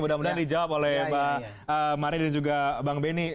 mudah mudahan dijawab oleh mbak mari dan juga bang benny